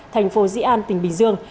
thành phố dĩ an tỉnh bình dương